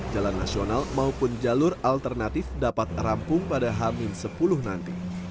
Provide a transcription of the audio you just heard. jalan nasional maupun jalur alternatif dapat rampung pada hamin sepuluh nanti